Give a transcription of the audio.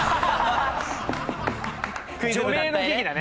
除名の危機だね。